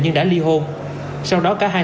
nhưng đã ly hôn sau đó cả hai